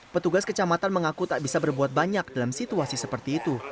petugas kecamatan mengaku tak bisa berbuat banyak dalam situasi seperti itu